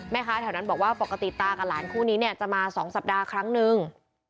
แถวนั้นบอกว่าปกติตากับหลานคู่นี้เนี่ยจะมา๒สัปดาห์ครั้งนึง